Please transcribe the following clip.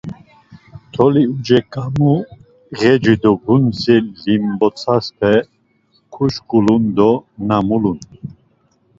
Toli uceǩamu, p̌eci do gundze limbotsape ǩoşǩulun do na mulun.